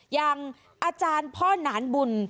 อย่างอาจารย์พ่อหนานบุญ